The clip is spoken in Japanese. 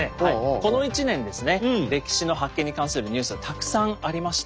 この１年歴史の発見に関するニュースがたくさんありました。